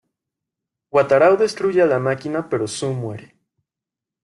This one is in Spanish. Wataru destruye a la máquina pero Sue muere.